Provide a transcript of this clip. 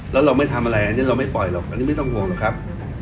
แล้วเราไม่ทำอะไรอันนี้เราไม่ปล่อยหรอกอันนี้ไม่ต้องห่วงหรอกครับ